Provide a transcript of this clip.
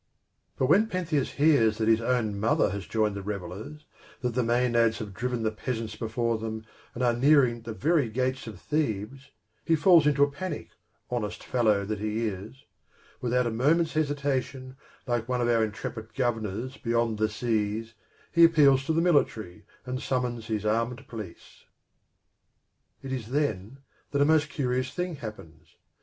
But when Pentheus hears that his own mother has joined the revellers, that the Maenads have driven the peasants before them, and are nearing the very gates of Thebes, he falls into a panic, honest fellow that he is ; without a moment's hesitation, like one of our intrepid Governors beyond the seas, he appeals to the military, and summons his armed police. It is then that a most curious thing happens.